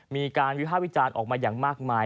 มีการวิภาควิจารณ์ออกมาอย่างมากมาย